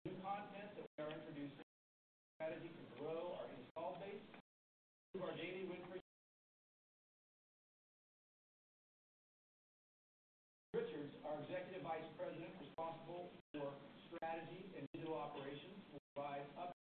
Our new cabinet, new content that we are introducing, our strategy to grow our install base through our daily win per unit. Tim Richards, our Executive Vice President responsible for strategy and digital operations, will provide updates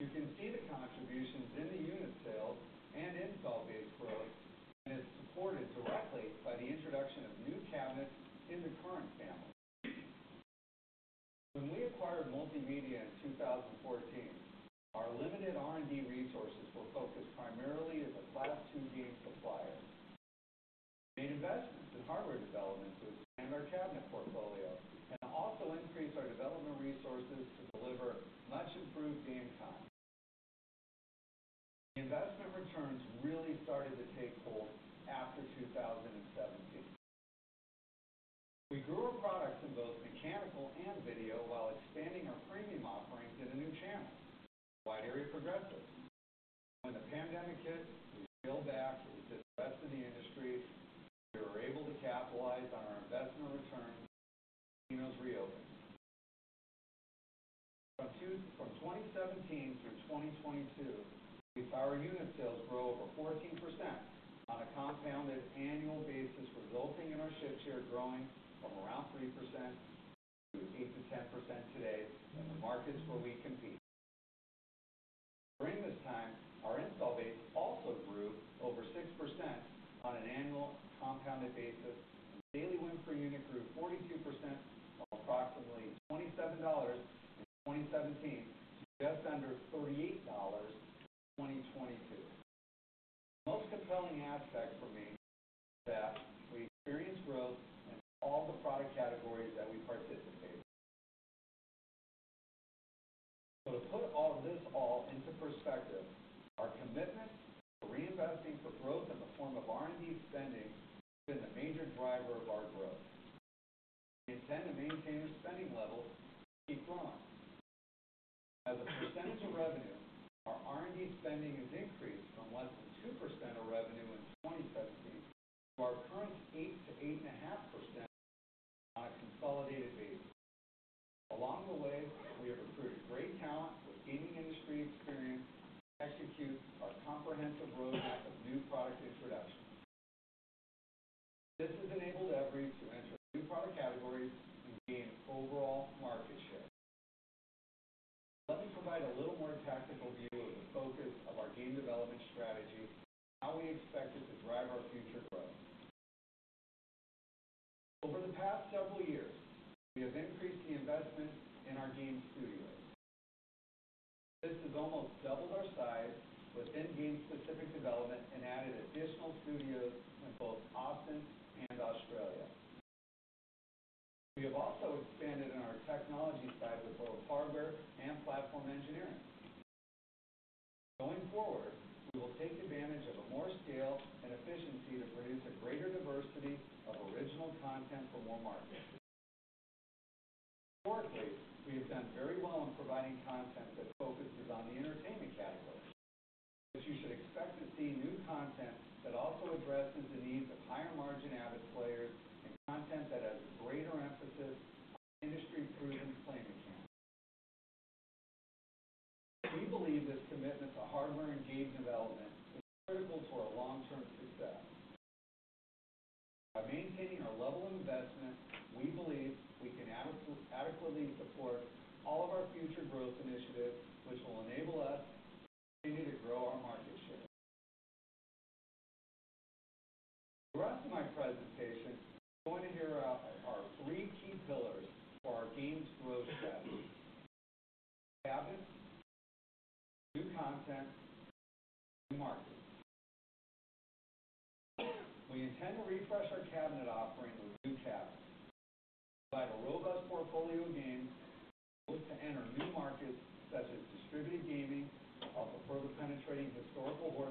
You can see the contributions in the unit sales and install base growth, and it's supported directly by the introduction of new cabinets in the current family. When we acquired Multimedia in 2014, our limited R&D resources were focused primarily as a Class II game supplier. Made investments in hardware development to expand our cabinet portfolio and also increase our development resources to deliver much improved game time. The investment returns really started to take hold after 2017. We grew our products in both mechanical and video while expanding our premium offerings in a new channel, wide-area progressive. When the pandemic hit, we built back what was best in the industry. We were able to capitalize on our investment returns, casinos reopened. From 2017 through 2022, we power unit sales grow over 14% on a compounded annual basis, resulting in our ship share growing from around 3% to 8%-10% today in the markets where we compete. During this time, our install base also grew over 6% on an annual compounded basis. Daily win per unit grew 42% from approximately $27 in 2017 to just under $38 in 2022. The most compelling aspect for me is that we experienced growth in all the product categories that we participate. So to put all this all into perspective, our commitment to reinvesting for growth in the form of R&D spending has been the major driver of our growth. We intend to maintain spending levels to keep growing. As a percentage of revenue, our R&D spending has increased from less than 2% of revenue in 2017 to our current 8%-8.5% on a consolidated basis. Along the way, we have recruited great talent with gaming industry experience to execute our comprehensive roadmap of new product introductions. This has enabled Everi to enter new product categories and gain overall market share. Let me provide a little more tactical view of the focus of our game development strategy and how we expect it to drive our future growth. Over the past several years, we have increased the investment in our game studios. This has almost doubled our size within game-specific development and added additional studios in both Austin and Australia. We have also expanded in our technology side with both hardware and platform engineering. Going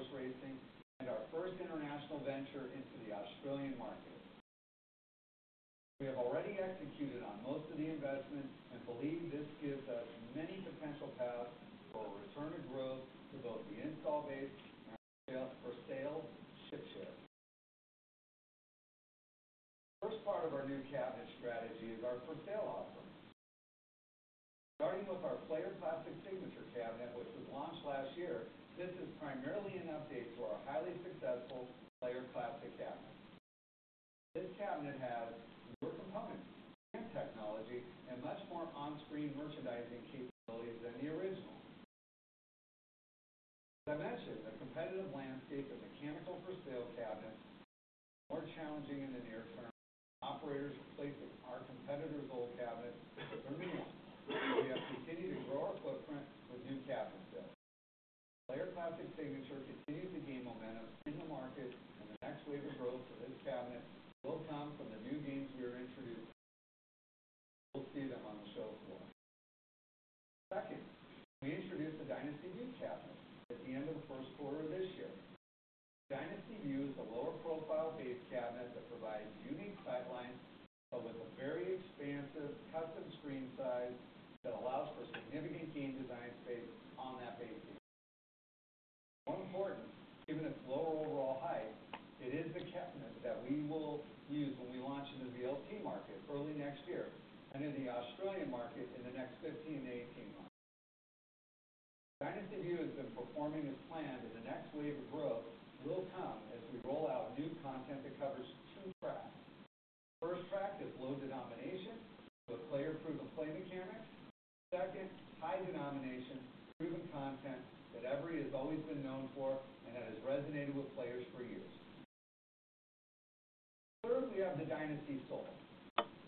The rest of my presentation, you're going to hear our three key pillars for our games growth strategy: cabinets, new content, new markets. We intend to refresh our cabinet offering with new cabinets, provide a robust portfolio of games, and look to enter new markets such as distributed gaming, while further penetrating historical horse racing and our first international venture into the Australian market. We have already executed on most of the investments and believe this gives us many potential paths for a return to growth to both the install base and for sale ship shares. The first part of our new cabinet strategy is our for-sale offerings. Starting with our Player Classic Signature cabinet, which was launched last year, this is primarily an update to our highly successful Player Classic cabinet. This cabinet has newer components, advanced technology, and much more on-screen merchandising capabilities than the original. As I mentioned, the competitive landscape of mechanical for-sale cabinets is more challenging in the near term as operators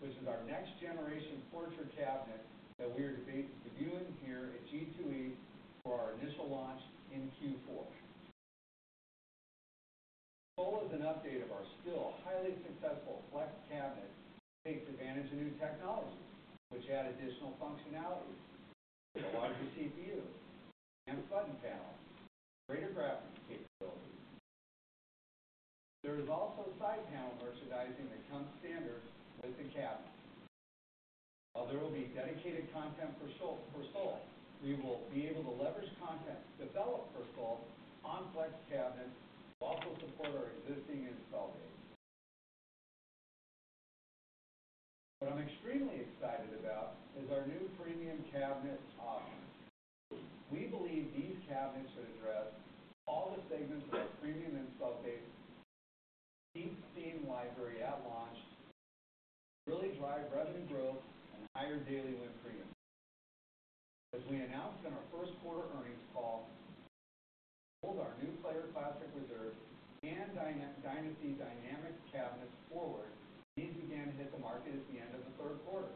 which is our next-generation portrait cabinet that we are debuting here at G2E for our initial launch in Q4. Sol is an update of our still highly successful Flex cabinet that takes advantage of new technology, which add additional functionality, a larger CPU, and a button panel, greater graphic capabilities. There is also side panel merchandising that comes standard with the cabinet. While there will be dedicated content for Sol, we will be able to leverage content developed for Sol on Flex cabinets to also support our existing install base. What I'm extremely excited about is our new premium cabinet offerings. We believe these cabinets should address all the segments of our premium install base, deep theme library at launch, really drive revenue growth and higher daily win premiums. As we announced on our first quarter earnings call, all our new Player Classic Reserve and Dynasty Dynamic cabinets forward, these began to hit the market at the end of the third quarter.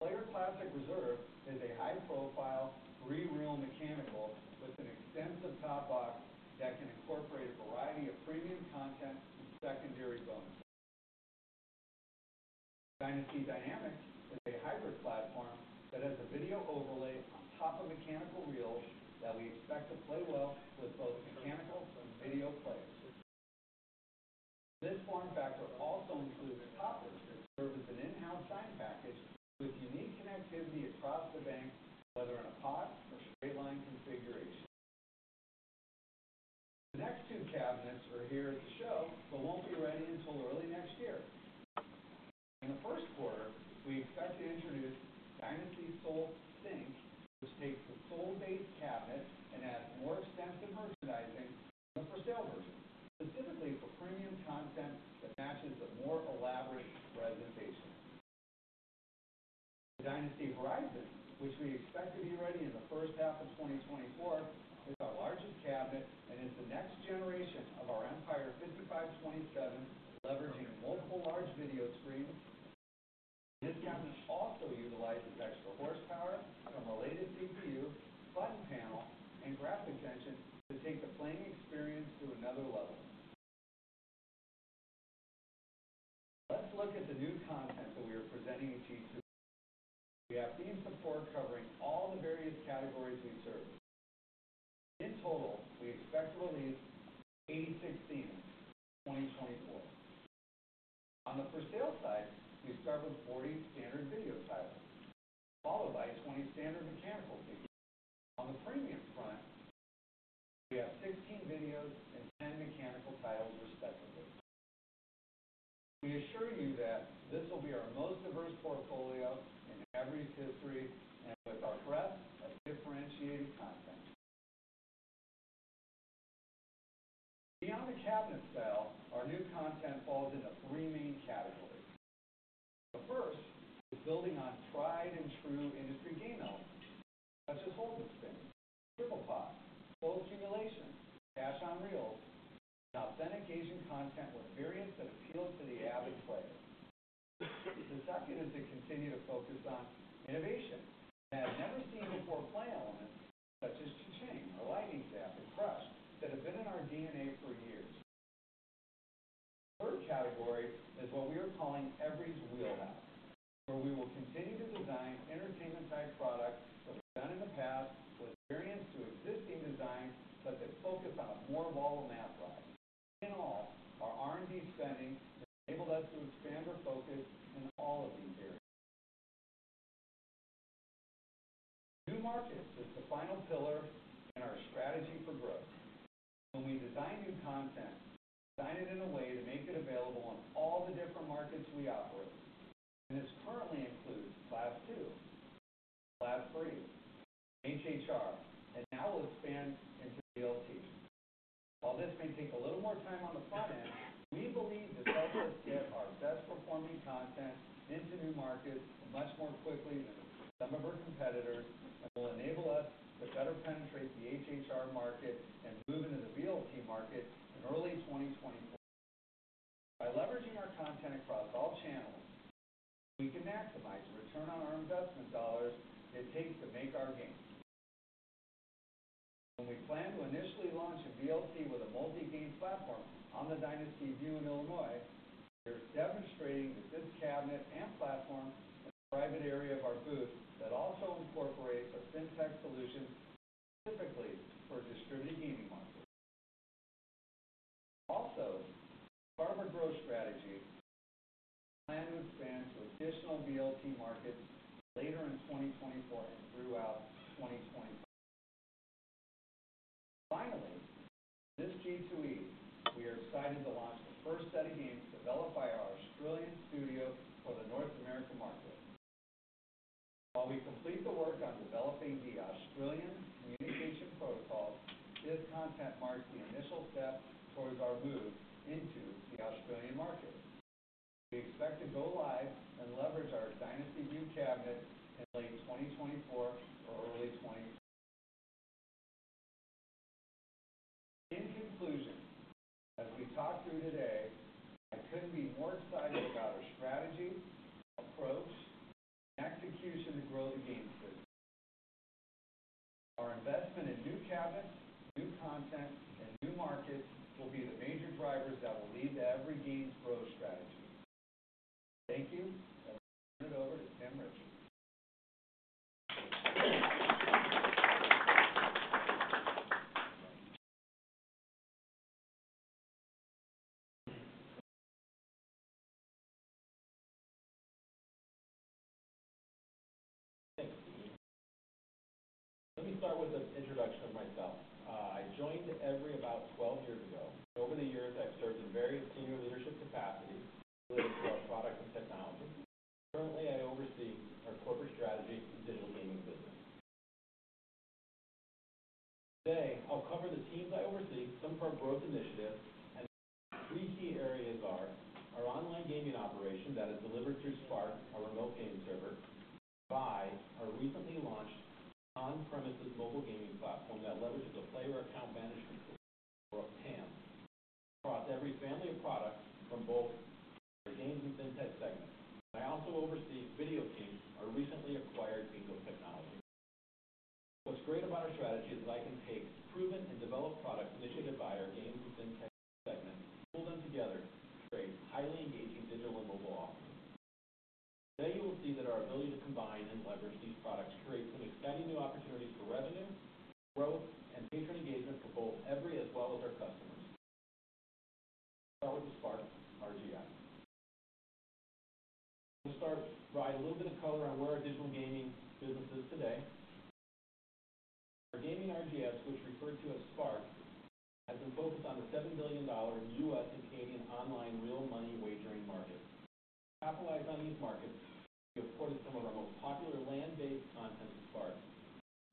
Player Classic Reserve is a high-profile, three-reel mechanical with an extensive top box that can incorporate a variety of premium content and secondary bonuses. Dynasty Dynamic is a hybrid platform that has a video overlay on top of mechanical reels that we expect to play well with both mechanical and video players. This form factor also includes a top which serves as an in-house sign package with unique connectivity across the bank, whether in a pot on innovation and have never seen before play elements such as Cha-Ching or Lightning Zap, and Crush that have been in our DNA for years. The third category is what we are calling Everi's Wheelhouse, where we will continue to design entertainment-type products that we've done in the past with variance to existing designs, but that focus on a more volatile math ride. In all, our R&D spending has enabled us to expand our focus in all of these areas. New markets is the final pillar in our strategy for growth. When we design new content, we design it in a way to make it available on all the different markets we operate. This currently includes Class II, Class III, HHR, and now we'll expand into VLT. While this may take a little more time on the front end, we believe this helps us get our best-performing content into new markets much more quickly than some of our competitors, and will enable us to better penetrate the HHR market and move into the VLT market in early 2024. By leveraging our content across all channels, we can maximize the return on our investment dollars it takes to make our games. When we plan to initially launch a VLT with a multi-game platform on the Dynasty Vue in Illinois, we are demonstrating that this cabinet and platform in the private area of our booth that also incorporates a fintech solution specifically for distributed gaming markets. Also, as part of our growth strategy, we plan to expand to additional VLT markets later in 2024 and throughout 2025. Finally, this G2E, we are excited to launch the first set of games developed by our Australian studio for the North American market. While we complete the work on developing the Australian communication protocols, this content marks the initial step towards our move into the Australian market. We expect to go live and leverage our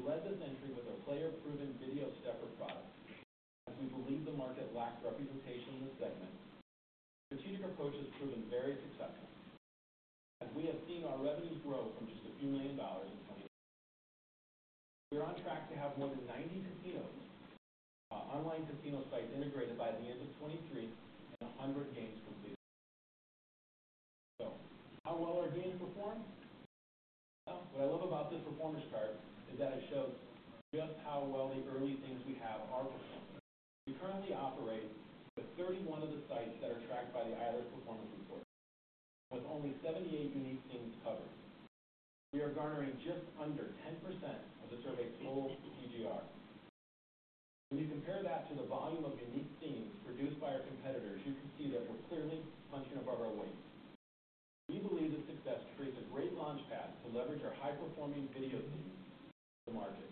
We led this entry with our player-proven video stepper product, as we believe the market lacks representation in this segment. Strategic approach has proven very successful, as we have seen our revenues grow from just a few million dollars in 2020. We are on track to have more than 90 casinos, online casino sites integrated by the end of 2023 and 100 games completed. So how well our games perform? What I love about this performance chart is that it shows just how well the early things we have are performing. We currently operate with 31 of the sites that are tracked by the Eilers performance report. With only 78 unique things covered, we are garnering just under 10% of the survey's total PGR. When you compare that to the volume of unique themes produced by our competitors, you can see that we're clearly punching above our weight. We believe the success creates a great launch pad to leverage our high-performing video games to the market.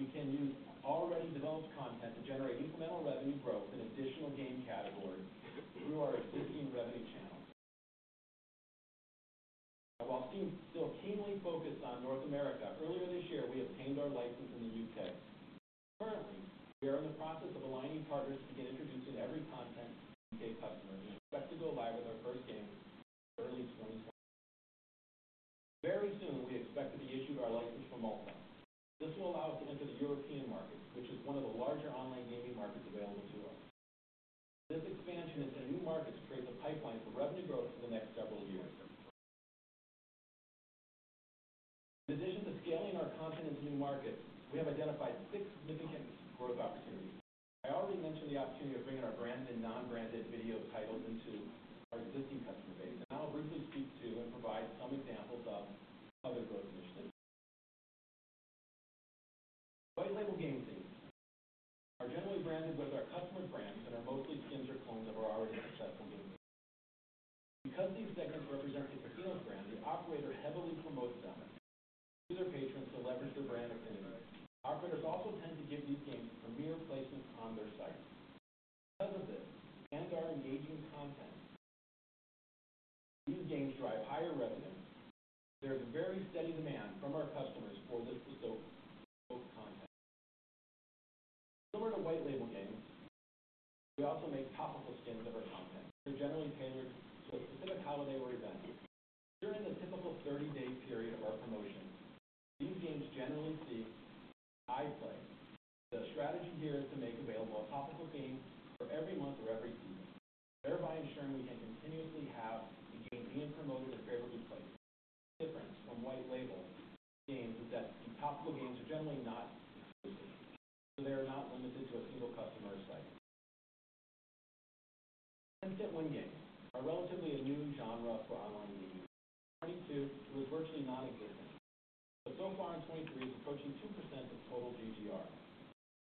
We can use already developed content to generate incremental revenue growth in additional game categories through our existing revenue channels. While we seem still keenly focused on North America, earlier this year, we obtained our license in the U.K. Currently, we are in the process of aligning partners to begin introducing Everi content to U.K. customers, and expect to go live with our first games in early 2024. Very soon, we expect to be issued our license from Malta. This will allow us to enter the European market, which is one of the larger online gaming markets available to us. This expansion into new markets creates a pipeline for revenue growth for the next several years. In addition to scaling our content into new markets, we have identified six significant growth opportunities. I already mentioned the opportunity of bringing our brand and non-branded video titles into our existing customer base. Now I'll briefly speak to and provide some examples of other growth initiatives. White-label game themes are generally branded with our customers' brands and are mostly skins or clones that are already successful games. Because these segments represent the casino brand, the operator heavily promotes them to their patrons to leverage their brand affinity. Operators also tend to give these games premier placements on their site. Because of this, and our engaging content, these games drive higher resonance. There is a very steady demand from our customers for this specific content. Similar to white-label games, we also make topical skins of our content. They're generally tailored to a specific holiday or event. During the typical 30-day period of our promotions, these games generally see high play. The strategy here is to make available a topical game for every month or every season, thereby ensuring we can continuously have a game being promoted and favorably placed. The difference from white-label games is that the topical games are generally not exclusive, so they are not limited to a single customer or site. Instant win games are relatively a new genre for online gaming. In 2022, it was virtually non-existent, but so far in 2023, it's approaching 2% of total GGR.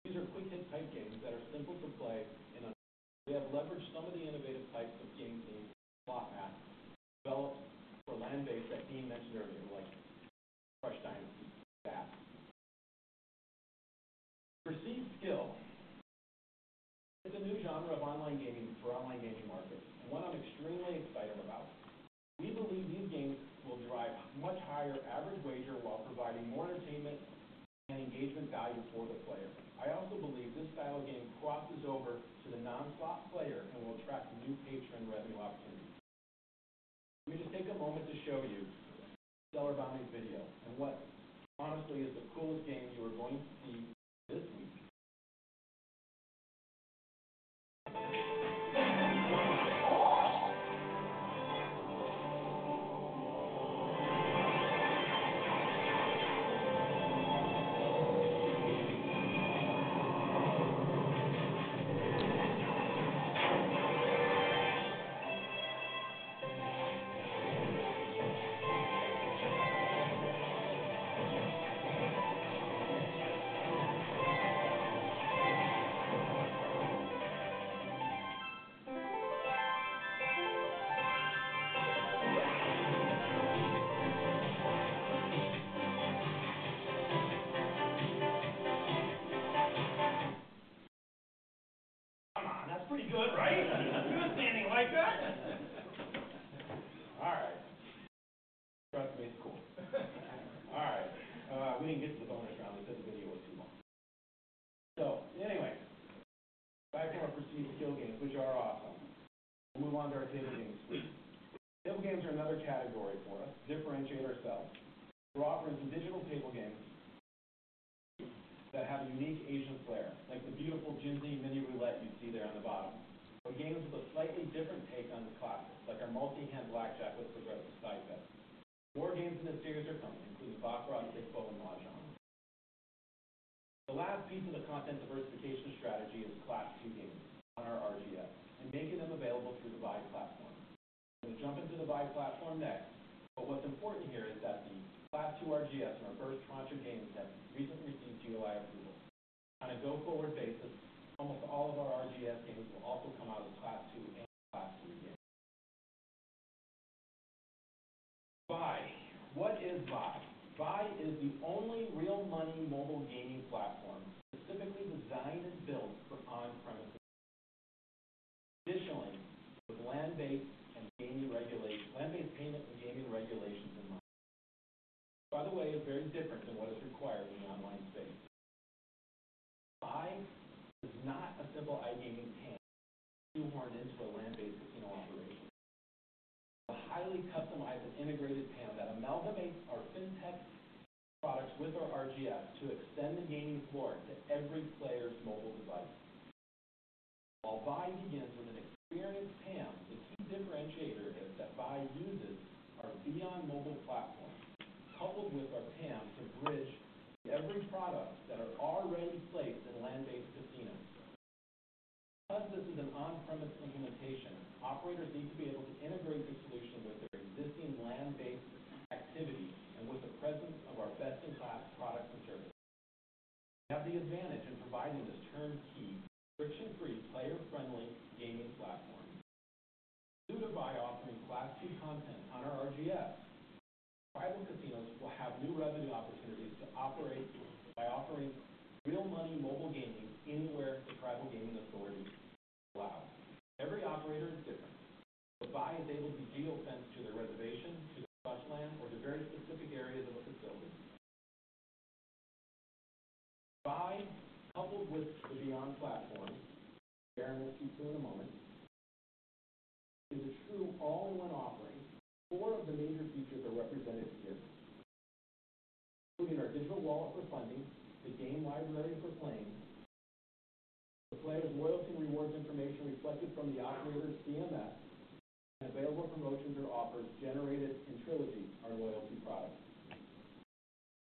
These are quick hit type games that are simple to play and understand. We have leveraged some of the innovative types of game themes and slot math developed for land-based that Dean mentioned earlier, like Fresh Spins. Perceived skill is a new genre of online gaming for online gaming markets, and one I'm extremely excited about. We believe these games will drive much higher average wager while providing more entertainment and engagement value for the player. I also believe this style of game crosses over to the non-slot player and will attract new patron revenue opportunities. Let me just take a moment to show you Stellar Bounties video and what honestly is the coolest game you are going to see this week. Come on, that's pretty good, right? You were standing like that. All right. That's cool. All right, we didn't get to the bonus round because the video was too long. So anyway, back to our perceived skill games, which are awesome. We'll move on to our table games suite. Table games are another category for us to differentiate ourselves. We're offering digital table games that have a unique Asian flair, like the beautiful Jinzi Mini Roulette you see there on the bottom, or games with a slightly different take on the classics, like our multi-hand blackjack with progressive side bets. More games in this series are coming, including Baccarat, Sichuan Mahjong and Fan Tan. The last piece of the content diversification strategy is Class II games on our RGS and making them available through the Vi platform. I'm going to jump into the Vi platform now... But what's important here is that the Class II RGS in our first tranche of games have recently received GLI approval. On a go-forward basis, almost all of our RGS games will also come out as Class II and Class III games. Vi. What is Vi? Vi is the only We have the advantage in providing this turnkey, friction-free, player-friendly gaming platform. Due to Vi offering Class II content on our RGS, tribal casinos will have new revenue opportunities to operate by offering real money mobile gaming anywhere the Tribal Gaming Authority allows. Every operator is different, so Vi is able to be geo-fenced to their reservation, to trust land, or to very specific areas of a facility. Vi, coupled with the BeOn platform, Darren will speak to in a moment, is a true all-in-one offering. Four of the major features are represented here, including our digital wallet for funding, the game library for playing, the player's loyalty rewards information reflected from the operator's CMS, and available promotions or offers generated in Trilogy, our loyalty product.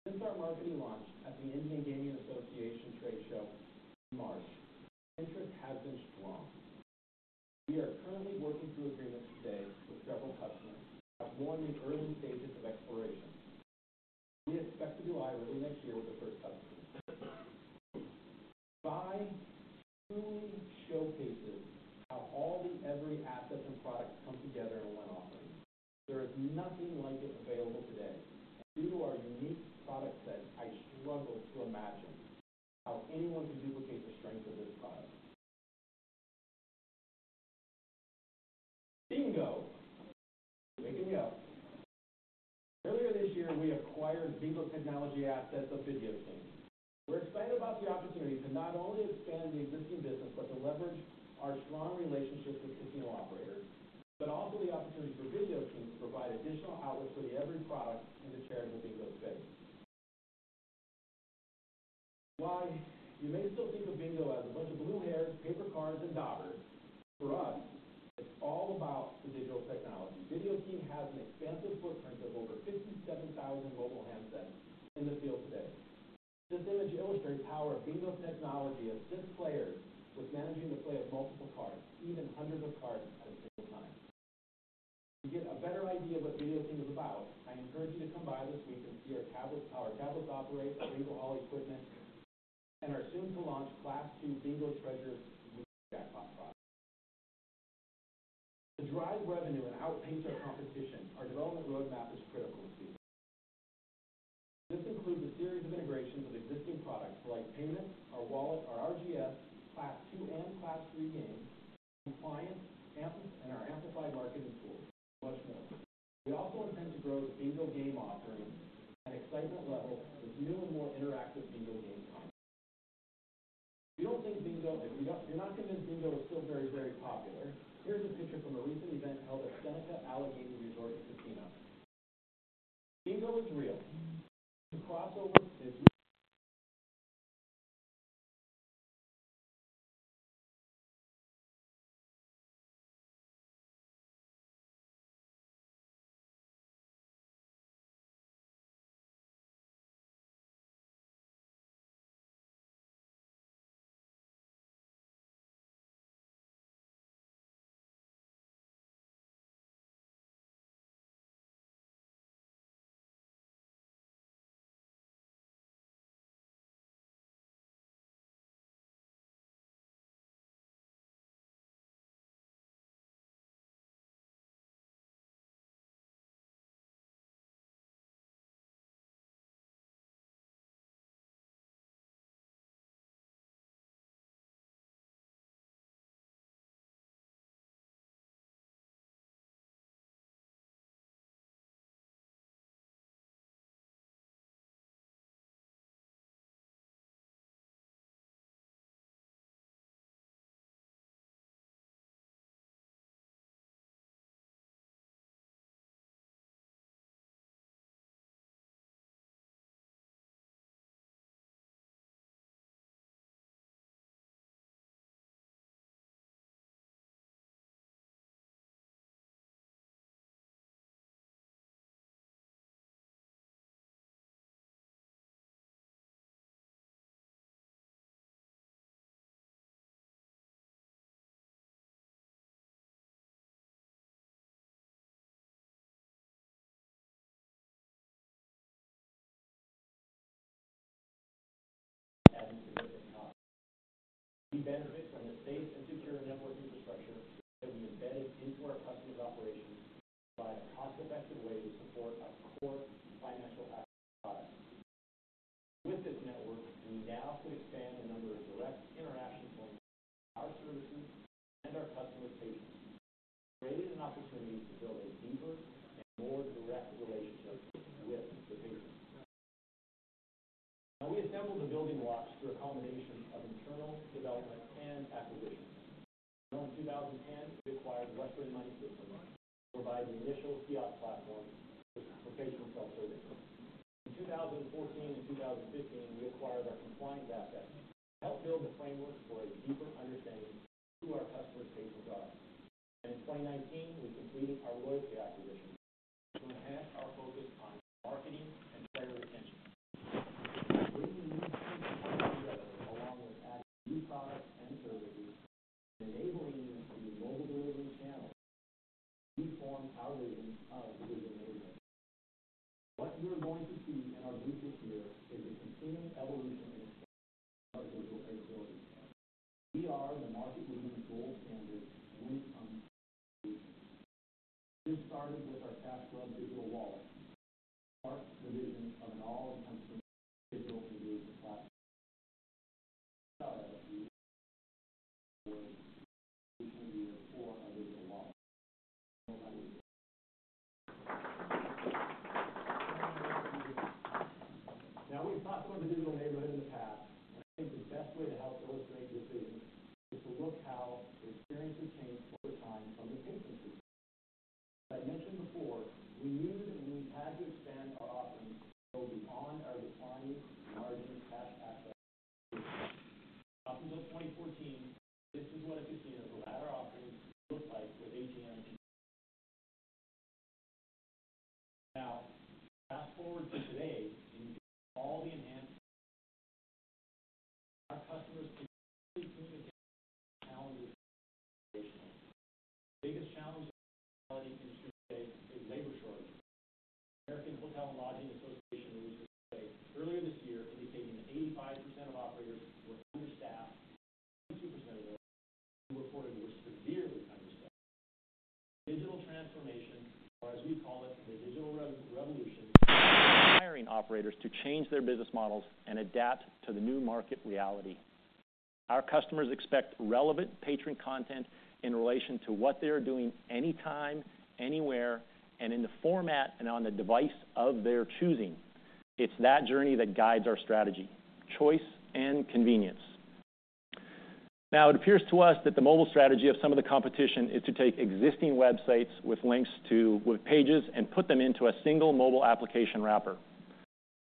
Since our marketing launch at the Indian Gaming Association Trade Show in March, interest has been strong. We are currently working through agreements today with several customers who are more in the early stages of exploration. We expect to go live early next year with the first customer. Vi truly showcases how all the Everi assets and products come together in one offering. There is nothing like it available today, and due to our unique product set, I struggle to imagine how anyone can duplicate the strength of this product. Bingo! Make me yell. Earlier this year, we acquired bingo technology assets of Video King. We're excited about the opportunity to not only expand the existing business, but to leverage our strong relationships with casino operators, but also the opportunity for Video King to provide additional outlets for the Everi product in the charitable bingo space. While you may still think of bingo as a bunch of blue hairs, paper cards, and daubers, for us, it's all about the digital technology. Video King has an expansive footprint of over 57,000 mobile handsets in the field today. This image illustrates how our bingo technology assists players with managing the play of multiple cards, even hundreds of cards at a single time. To get a better idea of what Video King is about, I encourage you to come by this week and see our tablet, how our tablets operate, the bingo hall equipment, and our soon-to-launch Class II Bingo Treasures with Jackpot product. To drive revenue and outpace our competition, our development roadmap is critical to us. This includes a series of integrations with existing products like payments, our wallet, our RGS, Class II, and Class III games, compliance, AML, and our amplified marketing tools, and much more. We also intend to grow the bingo game offerings and excitement levels with new and more interactive bingo game types. If you don't think bingo... If you're not convinced bingo is still very, very popular, here's a picture from a recent event held at Seneca Allegany Resort and Casino. Bingo is real, and the crossover to casino- We benefit from a safe and secure network infrastructure that we embedded into our customers' operations to provide a cost-effective way to support our core financial access products. With this network, we now could expand the number of direct interaction points with our solutions and our customer patrons, creating an opportunity to build a deeper and more direct relationship with the patron. We assembled the building blocks through a combination of internal development and acquisitions. In 2010, we acquired Western Money Systems to provide the initial kiosk platform for patron self-service. In 2014 and 2015, we acquired our compliance assets to help build the framework for a deeper understanding of who our customer patrons are. In 2019, we completed our loyalty acquisition to enhance our focus on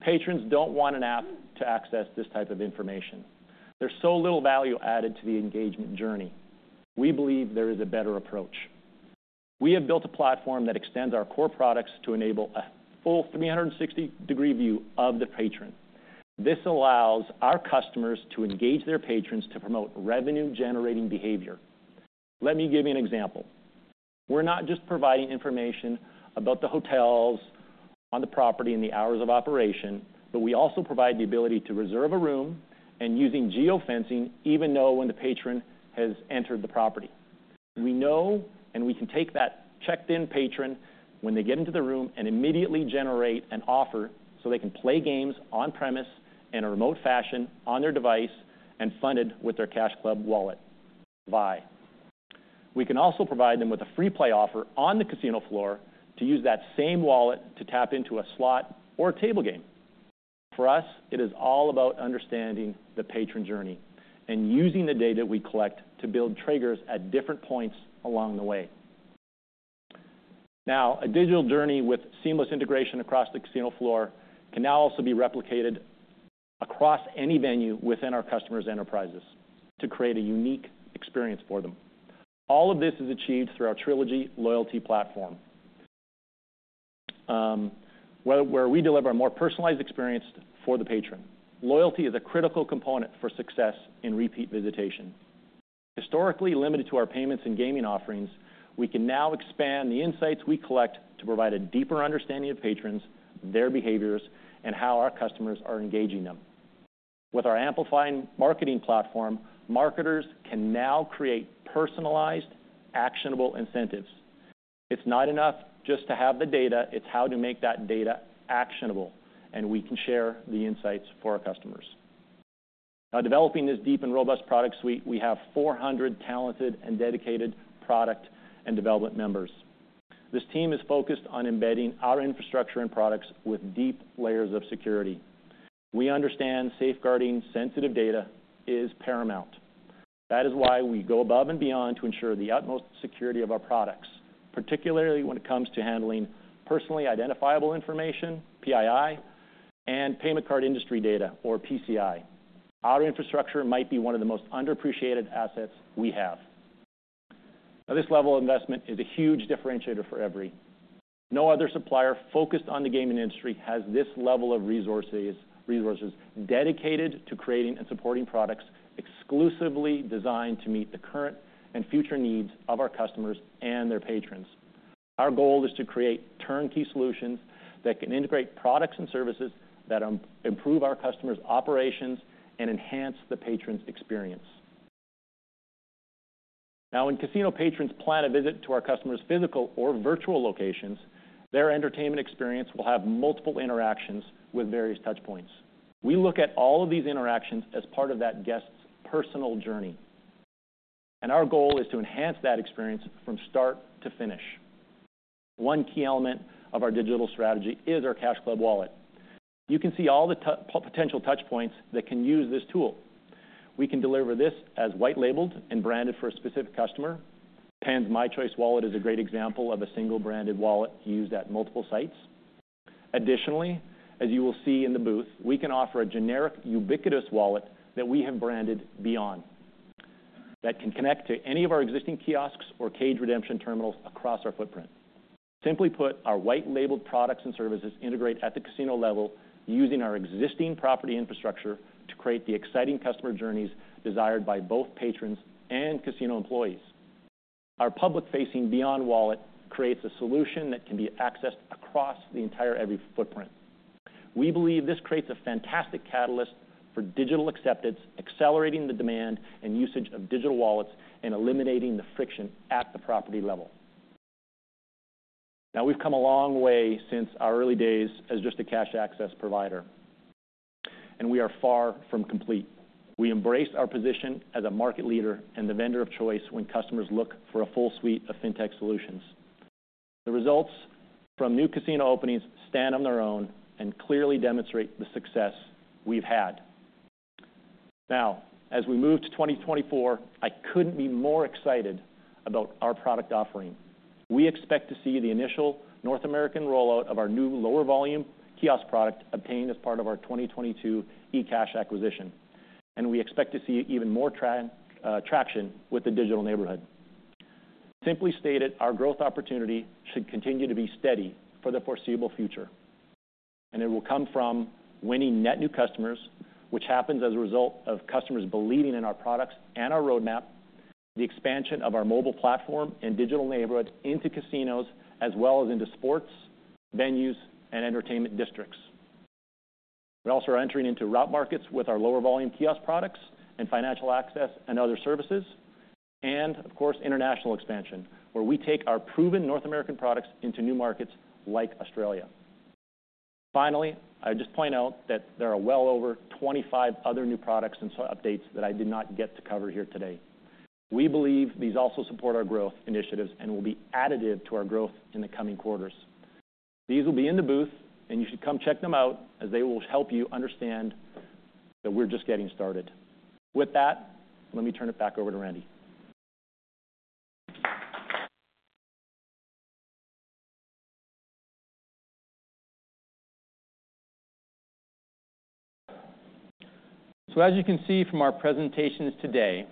Patrons don't want an app to access this type of information. There's so little value added to the engagement journey. We believe there is a better approach. We have built a platform that extends our core products to enable a full 360-degree view of the patron. This allows our customers to engage their patrons to promote revenue-generating behavior. Let me give you an example. We're not just providing information about the hotels on the property and the hours of operation, but we also provide the ability to reserve a room, and using geofencing, even know when the patron has entered the property. We know, and we can take that checked-in patron when they get into the room and immediately generate an offer so they can play games on-premise in a remote fashion, on their device, and funded with their CashClub wallet, Vi. We can also provide them with a free play offer on the casino floor to use that same wallet to tap into a slot or a table game. For us, it is all about understanding the patron journey and using the data we collect to build triggers at different points along the way. Now, a digital journey with seamless integration across the casino floor can now also be replicated across any venue within our customers' enterprises to create a unique experience for them. All of this is achieved through our Trilogy Loyalty platform, where we deliver a more personalized experience for the patron. Loyalty is a critical component for success in repeat visitation. Historically limited to our payments and gaming offerings, we can now expand the insights we collect to provide a deeper understanding of patrons, their behaviors, and how our customers are engaging them. With our Amplifying Marketing platform, marketers can now create personalized, actionable incentives. It's not enough just to have the data, it's how to make that data actionable, and we can share the insights for our customers. By developing this deep and robust product suite, we have 400 talented and dedicated product and development members. This team is focused on embedding our infrastructure and products with deep layers of security. We understand safeguarding sensitive data is paramount. That is why we go above and beyond to ensure the utmost security of our products, particularly when it comes to handling personally identifiable information, PII, and payment card industry data, or PCI. Our infrastructure might be one of the most underappreciated assets we have. Now, this level of investment is a huge differentiator for Everi. No other supplier focused on the gaming industry has this level of resources, resources dedicated to creating and supporting products exclusively designed to meet the current and future needs of our customers and their patrons. Our goal is to create turnkey solutions that can integrate products and services that improve our customers' operations and enhance the patron's experience. Now, when casino patrons plan a visit to our customer's physical or virtual locations, their entertainment experience will have multiple interactions with various touch points. We look at all of these interactions as part of that guest's personal journey, and our goal is to enhance that experience from start to finish. One key element of our digital strategy is our CashClub wallet. You can see all the potential touch points that can use this tool. We can deliver this as white-labeled and branded for a specific customer. PENN's mychoice wallet is a great example of a single-branded wallet used at multiple sites. Additionally, as you will see in the booth, we can offer a generic, ubiquitous wallet that we have branded BeOn, that can connect to any of our existing kiosks or cage redemption terminals across our footprint. Simply put, our white-labeled products and services integrate at the casino level, using our existing property infrastructure to create the exciting customer journeys desired by both patrons and casino employees. Our public-facing BeOn Wallet creates a solution that can be accessed across the entire Everi footprint. We believe this creates a fantastic catalyst for digital acceptance, accelerating the demand and usage of digital wallets, and eliminating the friction at the property level. Now, we've come a long way since our early days as just a cash access provider, and we are far from complete. We embrace our position as a market leader and the vendor of choice when customers look for a full suite of fintech solutions. The results from new casino openings stand on their own and clearly demonstrate the success we've had. Now, as we move to 2024, I couldn't be more excited about our product offering. We expect to see the initial North American rollout of our new lower volume kiosk product obtained as part of our 2022 eCash acquisition, and we expect to see even more traction with the Digital Neighborhood. Simply stated, our growth opportunity should continue to be steady for the foreseeable future, and it will come from winning net new customers, which happens as a result of customers believing in our products and our roadmap, the expansion of our mobile platform and Digital Neighborhoods into casinos, as well as into sports, venues, and entertainment districts. We're also entering into route markets with our lower volume kiosk products and financial access and other services, and of course, international expansion, where we take our proven North American products into new markets like Australia. Finally, I just point out that there are well over 25 other new products and so updates that I did not get to cover here today. We believe these also support our growth initiatives and will be additive to our growth in the coming quarters. These will be in the booth, and you should come check them out, as they will help you understand that we're just getting started. With that, let me turn it back over to Randy. As you can see from our presentations today,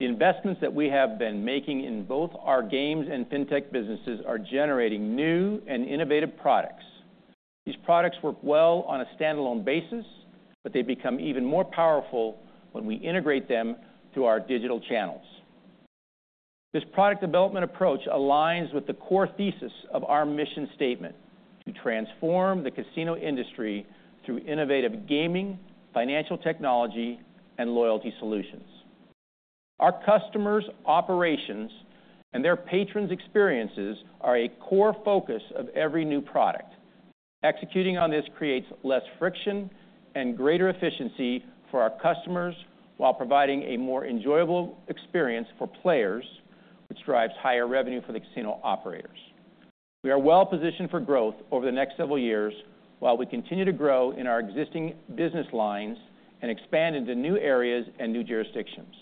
the investments that we have been making in both our games and fintech businesses are generating new and innovative products. These products work well on a standalone basis, but they become even more powerful when we integrate them through our digital channels. This product development approach aligns with the core thesis of our mission statement: "To transform the casino industry through innovative gaming, financial technology, and loyalty solutions." Our customers' operations and their patrons' experiences are a core focus of every new product. Executing on this creates less friction and greater efficiency for our customers, while providing a more enjoyable experience for players, which drives higher revenue for the casino operators. We are well positioned for growth over the next several years, while we continue to grow in our existing business lines and expand into new areas and new jurisdictions.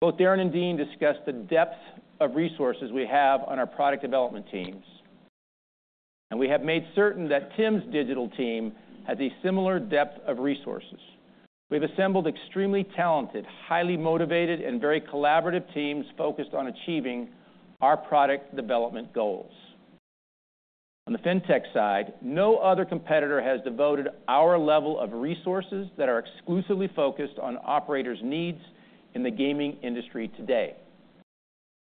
Both Darren and Dean discussed the depth of resources we have on our product development teams, and we have made certain that Tim's digital team has a similar depth of resources. We've assembled extremely talented, highly motivated, and very collaborative teams focused on achieving our product development goals. On the FinTech side, no other competitor has devoted our level of resources that are exclusively focused on operators' needs in the gaming industry today.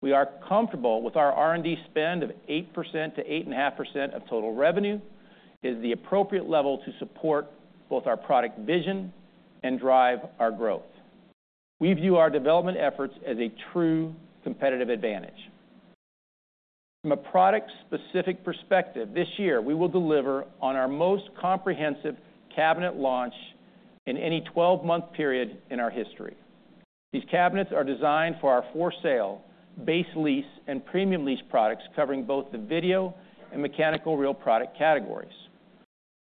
We are comfortable with our R&D spend of 8%-8.5% of total revenue, is the appropriate level to support both our product vision and drive our growth. We view our development efforts as a true competitive advantage. From a product-specific perspective, this year, we will deliver on our most comprehensive cabinet launch in any 12-month period in our history. These cabinets are designed for our for-sale, base lease, and premium lease products, covering both the video and mechanical reel product categories.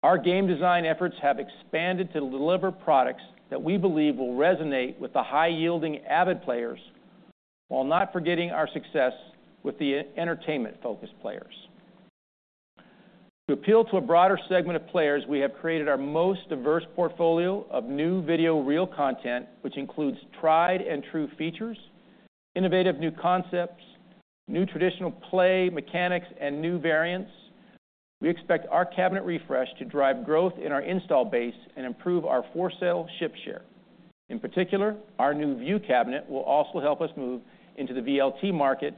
Our game design efforts have expanded to deliver products that we believe will resonate with the high-yielding avid players, while not forgetting our success with the entertainment-focused players. To appeal to a broader segment of players, we have created our most diverse portfolio of new video reel content, which includes tried and true features, innovative new concepts, new traditional play mechanics, and new variants. We expect our cabinet refresh to drive growth in our install base and improve our for-sale ship share. In particular, our new Vue cabinet will also help us move into the VLT market,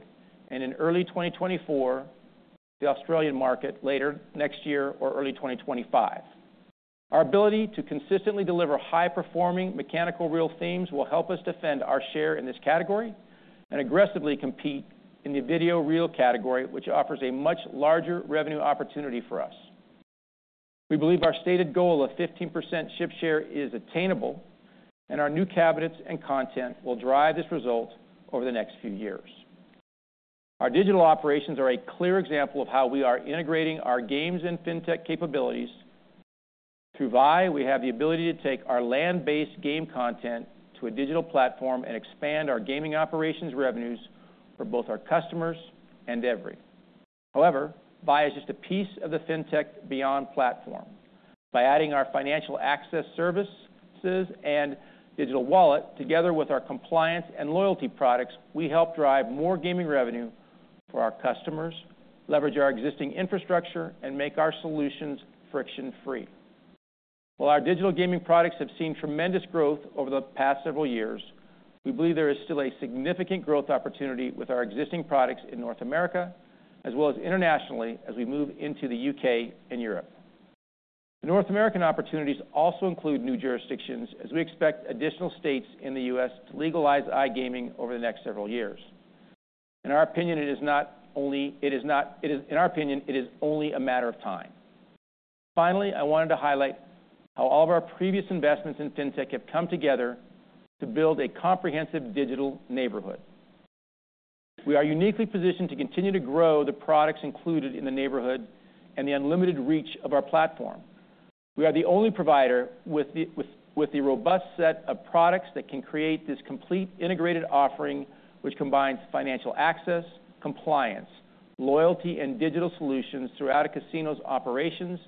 and in early 2024, the Australian market later next year or early 2025. Our ability to consistently deliver high-performing mechanical reel themes will help us defend our share in this category and aggressively compete in the video reel category, which offers a much larger revenue opportunity for us. We believe our stated goal of 15% ship share is attainable, and our new cabinets and content will drive this result over the next few years. Our digital operations are a clear example of how we are integrating our games and FinTech capabilities. Through Vi, we have the ability to take our land-based game content to a digital platform and expand our gaming operations revenues for both our customers and Everi. However, Vi is just a piece of the FinTech BeOn platform. By adding our financial access services and digital wallet, together with our compliance and loyalty products, we help drive more gaming revenue for our customers, leverage our existing infrastructure, and make our solutions friction-free. While our digital gaming products have seen tremendous growth over the past several years, we believe there is still a significant growth opportunity with our existing products in North America, as well as internationally as we move into the U.K. and Europe. The North American opportunities also include new jurisdictions, as we expect additional states in the U.S. to legalize iGaming over the next several years. In our opinion, it is only a matter of time. Finally, I wanted to highlight how all of our previous investments in FinTech have come together to build a comprehensive Digital Neighborhood. We are uniquely positioned to continue to grow the products included in the neighborhood and the unlimited reach of our platform. We are the only provider with the robust set of products that can create this complete integrated offering, which combines financial access, compliance, loyalty, and digital solutions throughout a casino's operations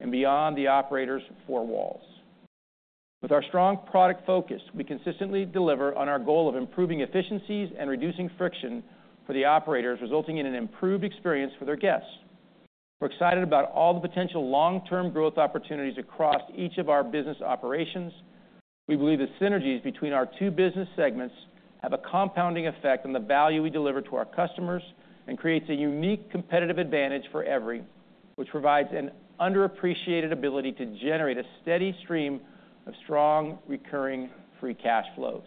and beyond the operator's four walls. With our strong product focus, we consistently deliver on our goal of improving efficiencies and reducing friction for the operators, resulting in an improved experience for their guests. We're excited about all the potential long-term growth opportunities across each of our business operations. We believe the synergies between our two business segments have a compounding effect on the value we deliver to our customers and creates a unique competitive advantage for Everi, which provides an underappreciated ability to generate a steady stream of strong, recurring free cash flows.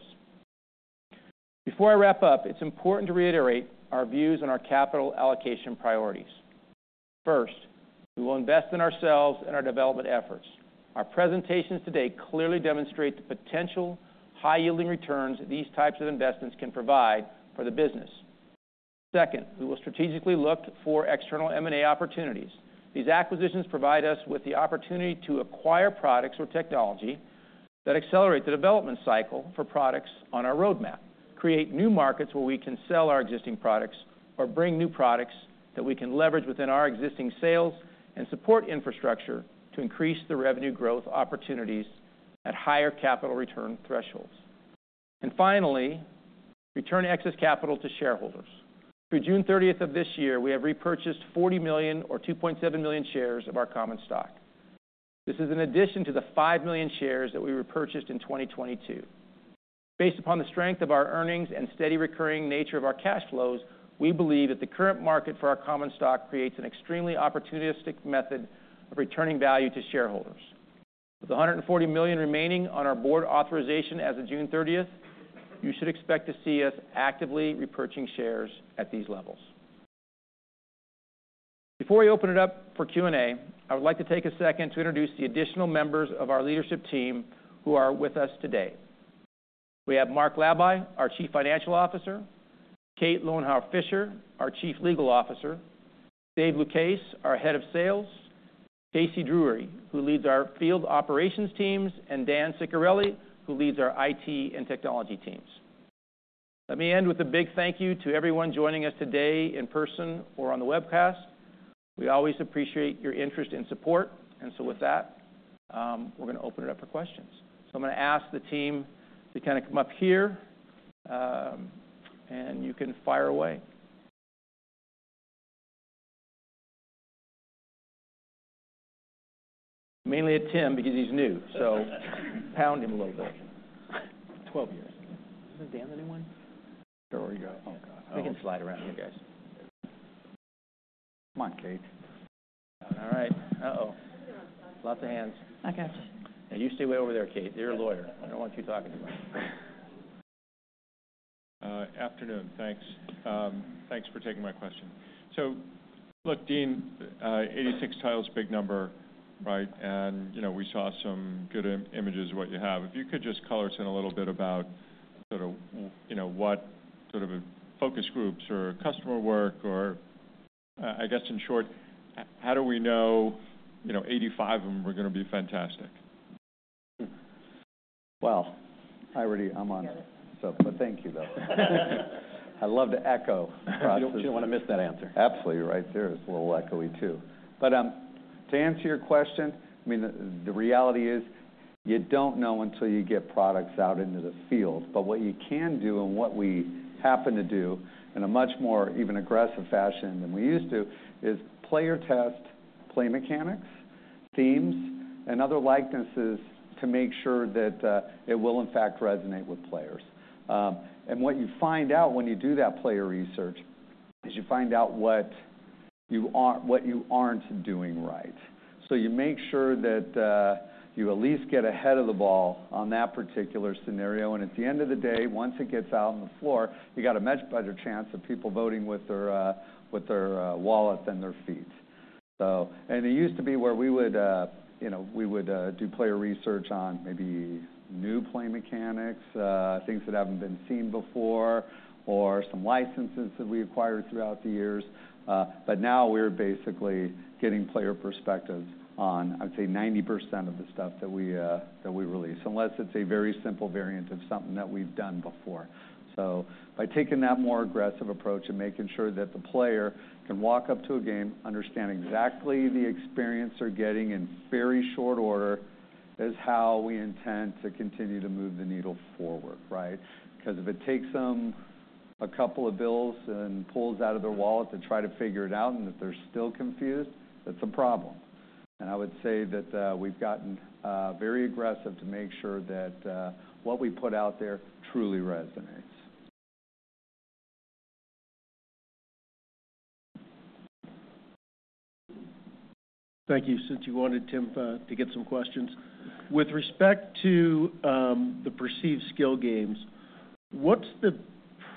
Before I wrap up, it's important to reiterate our views on our capital allocation priorities. First, we will invest in ourselves and our development efforts. Our presentations today clearly demonstrate the potential high-yielding returns these types of investments can provide for the business. Second, we will strategically look for external M&A opportunities. These acquisitions provide us with the opportunity to acquire products or technology that accelerate the development cycle for products on our roadmap, create new markets where we can sell our existing products, or bring new products that we can leverage within our existing sales and support infrastructure to increase the revenue growth opportunities at higher capital return thresholds. Finally, return excess capital to shareholders. Through June 30th of this year, we have repurchased $40 million or 2.7 million shares of our common stock. This is in addition to the 5 million shares that we repurchased in 2022. Based upon the strength of our earnings and steady recurring nature of our cash flows, we believe that the current market for our common stock creates an extremely opportunistic method of returning value to shareholders. With $140 million remaining on our board authorization as of June 30th, you should expect to see us actively repurchasing shares at these levels. Before we open it up for Q&A, I would like to take a second to introduce the additional members of our leadership team who are with us today. We have Mark Labay, our Chief Financial Officer, Kate Lowenhar-Fisher, our Chief Legal Officer, Dave Lucchese, our Head of Sales, Stacy Drury, who leads our field operations teams, and Dan Ciccarelli, who leads our IT and technology teams. Let me end with a big thank you to everyone joining us today in person or on the webcast. We always appreciate your interest and support, and so with that, we're going to open it up for questions. So I'm going to ask the team to kind of come up here, and you can fire away. Mainly at Tim, because he's new, so pound him a little bit. 12 years. Isn't Dan the new one? There we go. Oh, God. We can slide around you guys. Come on, Kate. All right. Uh-oh, lots of hands. I got you. Now, you stay way over there, Kate. You're a lawyer. I don't want you talking to me. Afternoon. Thanks. Thanks for taking my question. So look, Dean, 86 titles, big number, right? And you know, we saw some good images of what you have. If you could just color us in a little bit about sort of, you know, what sort of focus groups or customer work or... I guess, in short, how do we know, you know, 85 of them are going to be fantastic? Well, I'm on, so but thank you, though. I'd love to echo. You don't want to miss that answer. Absolutely, right there. It's a little echoey, too. But to answer your question, I mean, the reality is, you don't know until you get products out into the field. But what you can do, and what we happen to do in a much more even aggressive fashion than we used to, is player test, play mechanics, themes, and other likenesses to make sure that it will in fact resonate with players. And what you find out when you do that player research is you find out what you aren't doing right. So you make sure that you at least get ahead of the ball on that particular scenario, and at the end of the day, once it gets out on the floor, you got a much better chance of people voting with their wallet than their feet. And it used to be where we would, you know, we would do player research on maybe new play mechanics, things that haven't been seen before, or some licenses that we acquired throughout the years. But now we're basically getting player perspectives on, I'd say, 90% of the stuff that we release, unless it's a very simple variant of something that we've done before. So by taking that more aggressive approach and making sure that the player can walk up to a game, understand exactly the experience they're getting in very short order, is how we intend to continue to move the needle forward, right? Because if it takes them a couple of bills and pulls out of their wallet to try to figure it out, and if they're still confused, that's a problem. I would say that, we've gotten, very aggressive to make sure that, what we put out there truly resonates. Thank you. Since you wanted Tim to get some questions. With respect to the perceived skill games, what's the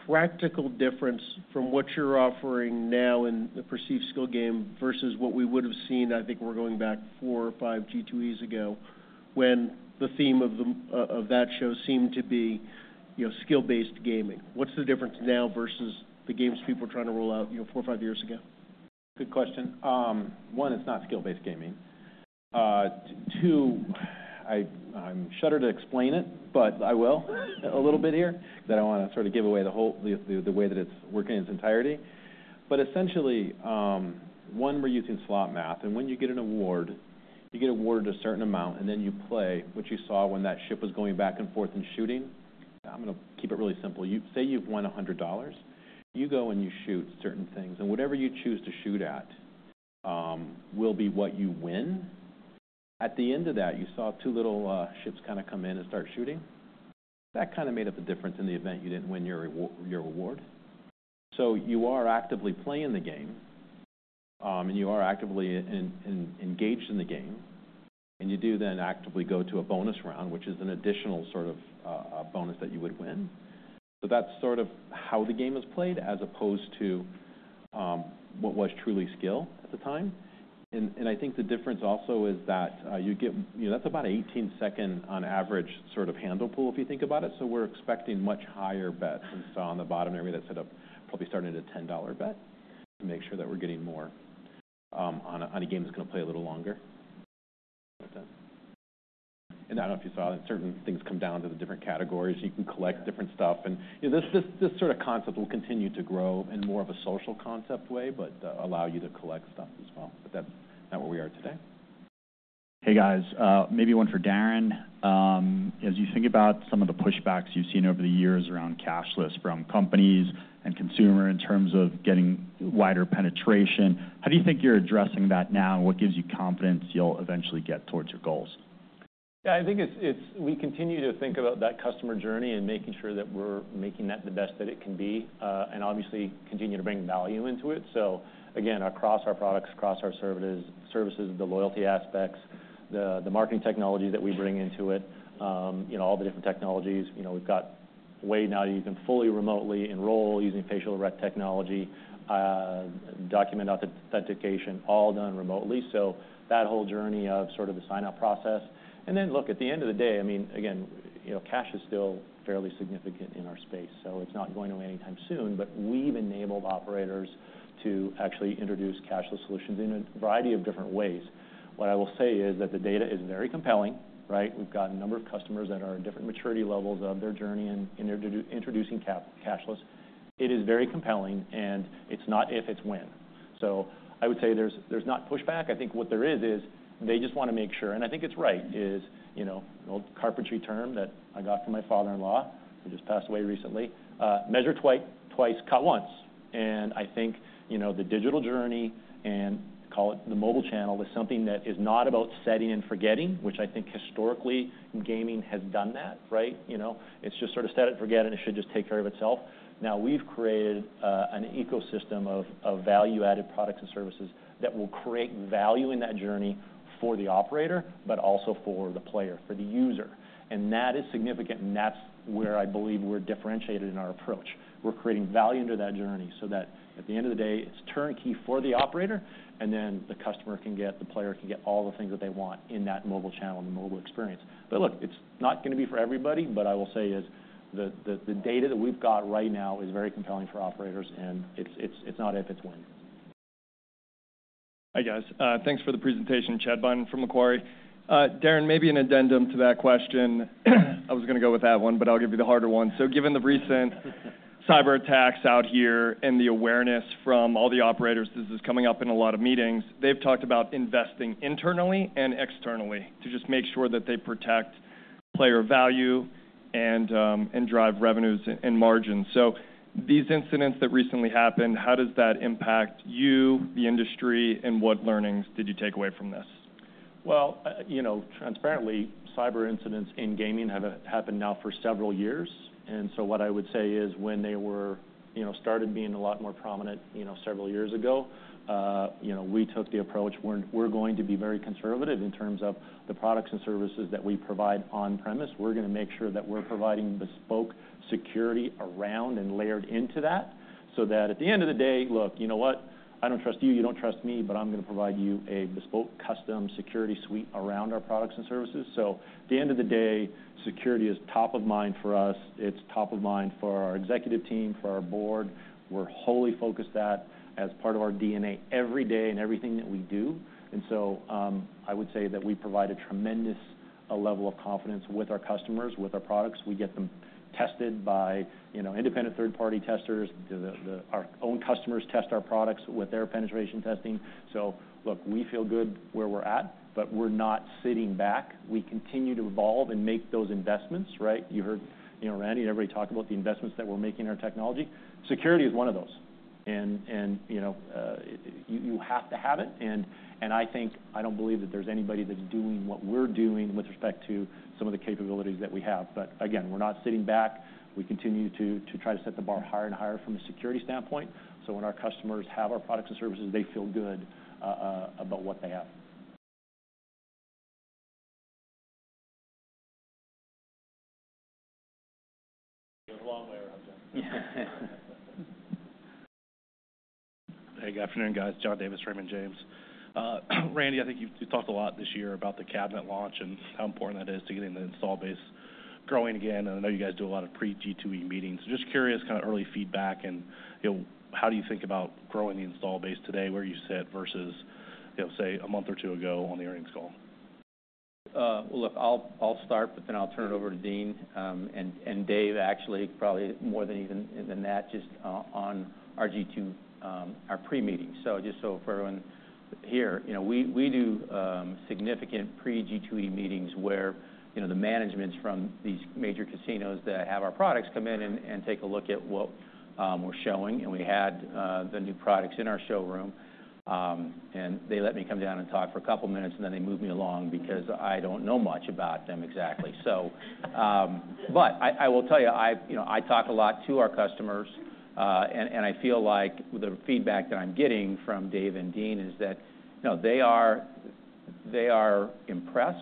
practical difference from what you're offering now in the perceived skill game versus what we would have seen, I think we're going back four or five G2Es ago, when the theme of the of that show seemed to be skill-based gaming? What's the difference now versus the games people are trying to roll out, you know, four or five years ago? Good question. One, it's not skill-based gaming. Two, I'm loath to explain it, but I will a little bit here. I want to sort of give away the whole, the way that it's working in its entirety. But essentially, one, we're using slot math, and when you get an award, you get awarded a certain amount, and then you play, which you saw when that ship was going back and forth and shooting. I'm going to keep it really simple. You say you've won $100. You go and you shoot certain things, and whatever you choose to shoot at, will be what you win. At the end of that, you saw two little ships kind of come in and start shooting. That kind of made up the difference in the event you didn't win your reward. So you are actively playing the game, and you are actively engaged in the game, and you do then actively go to a bonus round, which is an additional sort of a bonus that you would win. So that's sort of how the game is played, as opposed to what was truly skill at the time. And I think the difference also is that you get... You know, that's about 18 seconds on average, sort of handle pull, if you think about it, so we're expecting much higher bets. And so on the bottom area, that's set up, probably starting at a $10 bet to make sure that we're getting more on a game that's going to play a little longer. Like that. And I don't know if you saw that certain things come down to the different categories. You can collect different stuff, and, you know, this sort of concept will continue to grow in more of a social concept way, but allow you to collect stuff as well. But that's not where we are today. Hey, guys, maybe one for Darren. As you think about some of the pushbacks you've seen over the years around cashless, from companies and consumer, in terms of getting wider penetration, how do you think you're addressing that now, and what gives you confidence you'll eventually get towards your goals? Yeah, I think it's we continue to think about that customer journey and making sure that we're making that the best that it can be, and obviously, continue to bring value into it. So again, across our products, across our services, the loyalty aspects, the marketing technology that we bring into it, you know, all the different technologies. You know, we've got way now you can fully remotely enroll using facial rec technology, document authentication, all done remotely. So that whole journey of sort of the sign-up process. And then look, at the end of the day, I mean, again, you know, cash is still fairly significant in our space, so it's not going away anytime soon. But we've enabled operators to actually introduce cashless solutions in a variety of different ways. What I will say is that the data is very compelling, right? We've got a number of customers that are at different maturity levels of their journey, and they're introducing cashless. It is very compelling, and it's not if, it's when. So I would say there's not pushback. I think what there is is they just want to make sure, and I think it's right, you know, an old carpentry term that I got from my father-in-law, who just passed away recently, "Measure twice, cut once." And I think, you know, the digital journey, and call it the mobile channel, is something that is not about setting and forgetting, which I think historically, gaming has done that, right? You know, it's just sort of set it and forget, and it should just take care of itself. Now, we've created an ecosystem of value-added products and services that will create value in that journey for the operator, but also for the player, for the user. And that is significant, and that's where I believe we're differentiated in our approach. We're creating value into that journey so that at the end of the day, it's turnkey for the operator, and then the customer can get, the player can get all the things that they want in that mobile channel and the mobile experience. But look, it's not going to be for everybody, but I will say is, the data that we've got right now is very compelling for operators, and it's not if, it's when. Hi, guys. Thanks for the presentation. Chad Beynon from Macquarie. Darren, maybe an addendum to that question. I was gonna go with that one, but I'll give you the harder one. So given the recent cyber attacks out here and the awareness from all the operators, this is coming up in a lot of meetings, they've talked about investing internally and externally to just make sure that they protect player value and and drive revenues and margins. So these incidents that recently happened, how does that impact you, the industry, and what learnings did you take away from this? Well, you know, transparently, cyber incidents in gaming have happened now for several years, and so what I would say is when they were, you know, started being a lot more prominent, you know, several years ago, you know, we took the approach where we're going to be very conservative in terms of the products and services that we provide on premise. We're gonna make sure that we're providing bespoke security around and layered into that, so that at the end of the day, look, you know what? I don't trust you, you don't trust me, but I'm gonna provide you a bespoke custom security suite around our products and services. So at the end of the day, security is top of mind for us. It's top of mind for our executive team, for our Board. We're wholly focused that as part of our DNA every day in everything that we do, and so, I would say that we provide a tremendous level of confidence with our customers, with our products. We get them tested by, you know, independent third-party testers. Our own customers test our products with their penetration testing. So look, we feel good where we're at, but we're not sitting back. We continue to evolve and make those investments, right? You heard, you know, Randy and everybody talk about the investments that we're making in our technology. Security is one of those, and you know, you have to have it, and I think... I don't believe that there's anybody that's doing what we're doing with respect to some of the capabilities that we have. But again, we're not sitting back. We continue to try to set the bar higher and higher from a security standpoint, so when our customers have our products and services, they feel good about what they have. He went a long way around that. Hey, good afternoon, guys. John Davis, Raymond James. Randy, I think you've talked a lot this year about the cabinet launch and how important that is to getting the install base growing again, and I know you guys do a lot of pre-G2E meetings. So just curious, kind of, early feedback and, you know, how do you think about growing the install base today, where you sit versus, you know, say, a month or two ago on the earnings call? Look, I'll start, but then I'll turn it over to Dean and Dave, actually, probably more than even than that, just on our G2E pre-meeting. So just so for everyone here, you know, we do significant pre-G2E meetings where, you know, the managements from these major casinos that have our products come in and take a look at what we're showing, and we had the new products in our showroom. And they let me come down and talk for a couple of minutes, and then they moved me along because I don't know much about them exactly. So, but I will tell you, you know, I talk a lot to our customers, and I feel like the feedback that I'm getting from Dave and Dean is that, you know, they are impressed.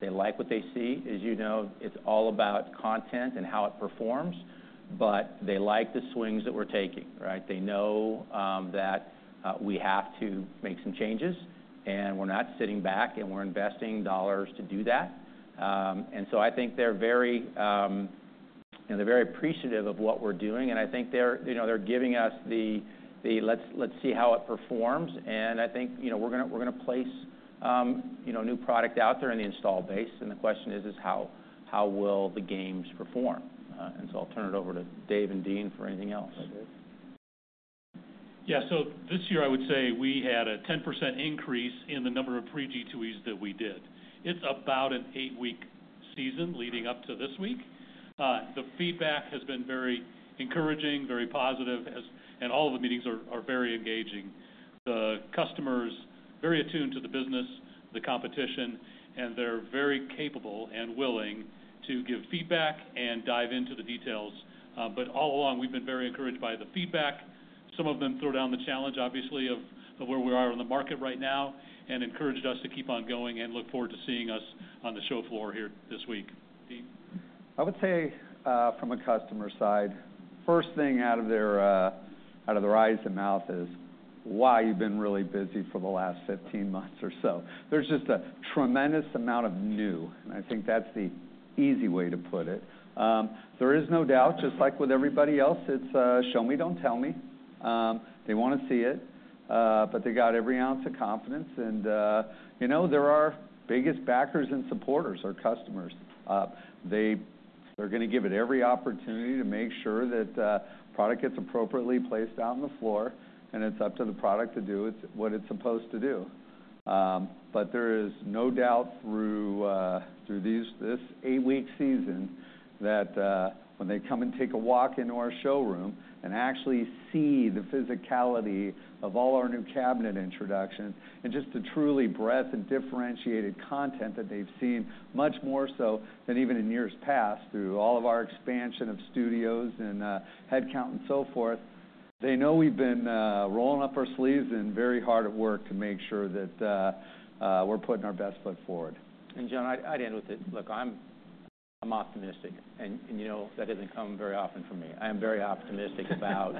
They like what they see. As you know, it's all about content and how it performs, but they like the swings that we're taking, right? They know that we have to make some changes, and we're not sitting back, and we're investing dollars to do that. And so I think they're very, you know, they're very appreciative of what we're doing, and I think they're, you know, they're giving us the let's see how it performs. I think, you know, we're gonna, we're gonna place, you know, new product out there in the install base, and the question is, is how, how will the games perform? I’ll turn it over to Dave and Dean for anything else. Hi, Dave. Yeah, this year, I would say we had a 10% increase in the number of pre-G2Es that we did. It's about an eight-week season leading up to this week. The feedback has been very encouraging, very positive, as- and all of the meetings are, are very engaging. The customers, very attuned to the business, the competition, and they're very capable and willing to give feedback and dive into the details. All along, we've been very encouraged by the feedback. Some of them throw down the challenge, obviously, of where we are in the market right now and encouraged us to keep on going and look forward to seeing us on the show floor here this week. Dean? I would say, from a customer side, first thing out of their eyes and mouth is why you've been really busy for the last 15 months or so. There's just a tremendous amount of new, and I think that's the easy way to put it. There is no doubt, just like with everybody else, it's, "Show me, don't tell me." They wanna see it, but they got every ounce of confidence, and, you know, they're our biggest backers and supporters, our customers. They're gonna give it every opportunity to make sure that the product gets appropriately placed out on the floor, and it's up to the product to do its, what it's supposed to do. But there is no doubt through this eight-week season that when they come and take a walk into our showroom and actually see the physicality of all our new cabinet introductions and just the truly breadth and differentiated content that they've seen, much more so than even in years past, through all of our expansion of studios and head count and so forth. They know we've been rolling up our sleeves and very hard at work to make sure that we're putting our best foot forward. And John, I'd end with this. Look, I'm optimistic, and you know, that doesn't come very often for me. I am very optimistic about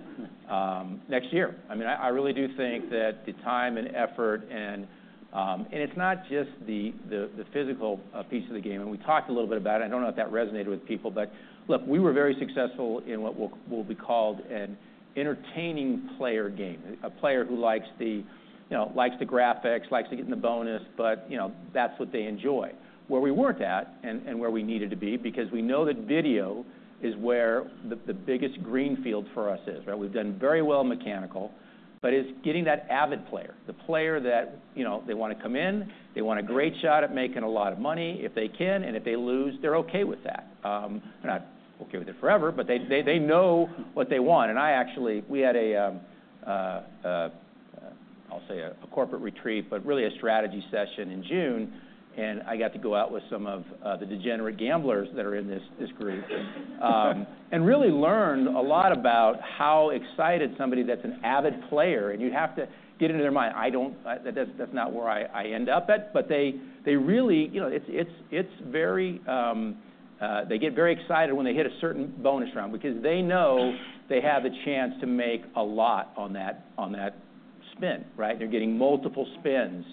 next year. I mean, I really do think that the time and effort and-... and it's not just the, the, the physical, piece of the game, and we talked a little bit about it. I don't know if that resonated with people, but look, we were very successful in what we'll, what we called an entertaining player game. A player who likes the, you know, likes the graphics, likes to get in the bonus, but, you know, that's what they enjoy. Where we weren't at and, and where we needed to be, because we know that video is where the, the biggest green field for us is, right? We've done very well mechanical, but it's getting that avid player, the player that, you know, they wanna come in, they want a great shot at making a lot of money if they can, and if they lose, they're okay with that. They're not okay with it forever, but they know what they want. And I actually—we had a, I'll say a corporate retreat, but really a strategy session in June, and I got to go out with some of the degenerate gamblers that are in this group. And really learned a lot about how excited somebody that's an avid player—and you'd have to get into their mind. I don't—that's not where I end up at, but they really, you know, it's very... they get very excited when they hit a certain bonus round because they know they have a chance to make a lot on that spin, right? They're getting multiple spins.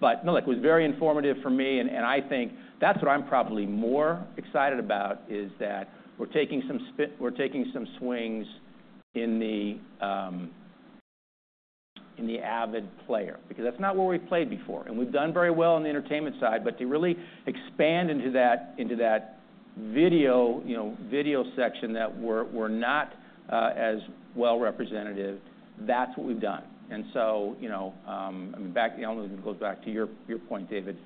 But, look, it was very informative for me, and I think that's what I'm probably more excited about, is that we're taking some swings in the avid player, because that's not where we've played before, and we've done very well on the entertainment side, but to really expand into that, into that video, you know, video section that we're not as well representative, that's what we've done. And so, you know, I mean, back, it goes back to your point, David.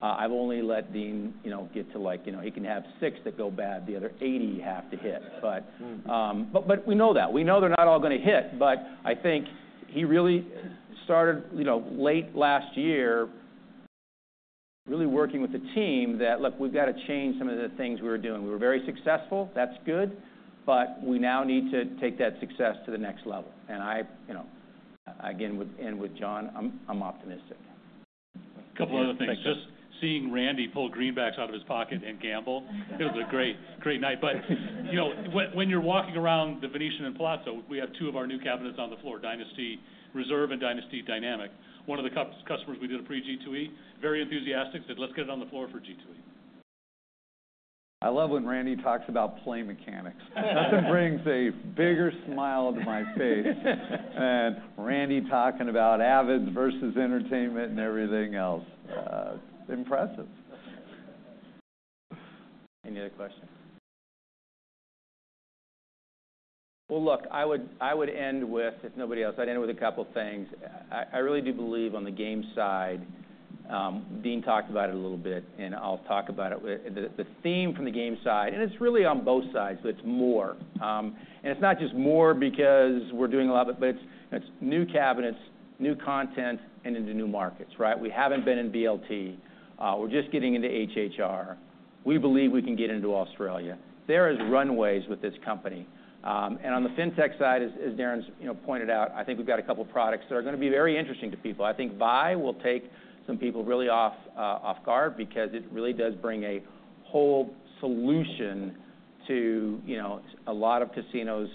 I've only let Dean, you know, get to, like, you know, he can have six that go bad, the other 80 have to hit. But we know that. We know they're not all gonna hit, but I think he really started, you know, late last year, really working with the team that, "Look, we've got to change some of the things we were doing. We were very successful. That's good, but we now need to take that success to the next level." And I, you know, again, with and with John, I'm, I'm optimistic. A couple other things. Just seeing Randy pull greenbacks out of his pocket and gamble, it was a great, great night. But, you know, when you're walking around the Venetian and Palazzo, we have two of our new cabinets on the floor, Dynasty Reserve and Dynasty Dynamic. One of the customers we did a pre-G2E, very enthusiastic, said, "Let's get it on the floor for G2E. I love when Randy talks about play mechanics. Nothing brings a bigger smile to my face than Randy talking about avids versus entertainment and everything else. Impressive. Any other questions? Well, look, I would end with, if nobody else, I'd end with a couple things. I really do believe on the game side, Dean talked about it a little bit, and I'll talk about it. The theme from the game side, and it's really on both sides, but it's more. It's not just more because we're doing a lot, but it's new cabinets, new content, and into new markets, right? We haven't been in VLT. We're just getting into HHR. We believe we can get into Australia. There is runways with this company. On the FinTech side, as Darren's, you know, pointed out, I think we've got a couple products that are gonna be very interesting to people. I think Vi will take some people really off guard because it really does bring a whole solution to, you know, a lot of casinos,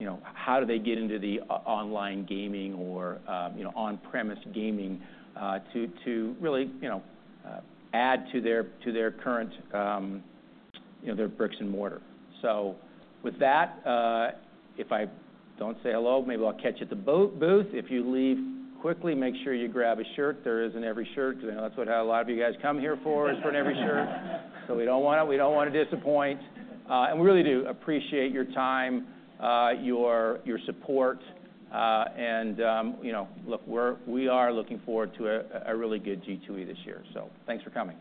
you know, how do they get into the online gaming or, you know, on-premise gaming, to really, you know, add to their, to their current, you know, their brick and mortar. So with that, if I don't say hello, maybe I'll catch you at the booth. If you leave quickly, make sure you grab a shirt. There is an Everi shirt, you know, that's what a lot of you guys come here for is for an Everi shirt. So we don't wanna, we don't wanna disappoint. We really do appreciate your time, your support, and you know, look, we are looking forward to a really good G2E this year, so thanks for coming.